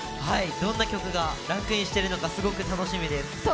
どんな曲がランクインしてるのか楽しみです。